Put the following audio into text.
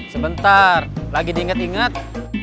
sebentar lagi diingat ingat